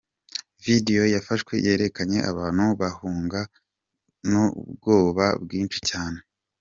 Video yafashwe yerekanye abantu bahunga n’ubwoba bwinshi cyane.